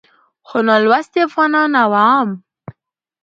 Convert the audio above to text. خو نالوستي افغانان او عوام